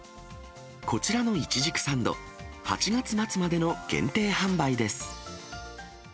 こちらのいちじくサンド、８月末までの限定販売です。